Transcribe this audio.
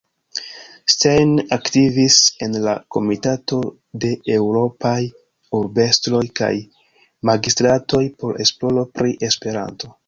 Stein aktivis en la Komitato de eŭropaj urbestroj kaj magistratoj por esploro pri Esperanto.